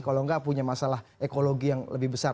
kalau nggak punya masalah ekologi yang lebih besar